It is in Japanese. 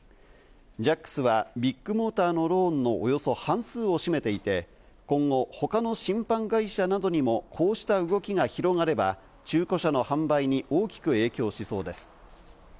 ジャックスはビッグモーターのローンのおよそ半数を占めていて、今後、他の信販会社などにもこうした動きが広がれば、中古車の販売に大きく影響しそうです。